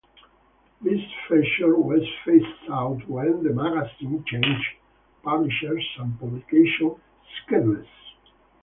This feature was phased out when the magazine changed publishers and publication schedules.